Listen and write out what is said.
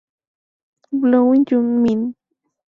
Blowin' Your Mind!